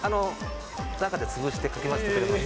中で潰してかき回してくれます。